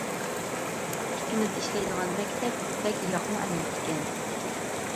ئىككىمىز ئىشلەيدىغان مەكتەپ بەك يىراقمۇ ئەمەس ئىكەن.